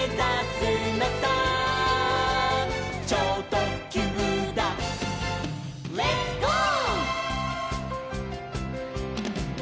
「ちょうとっきゅうだレッツ・ゴー！」